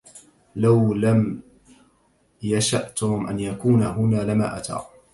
لو لم يشأ توم أن يكون هنا، لما أتى.